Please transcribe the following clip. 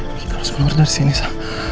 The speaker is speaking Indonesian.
kita harus keluar dari sini sa